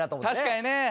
確かにね。